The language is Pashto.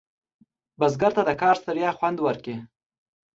بزګر ته د کار د ستړیا خوند ورکړي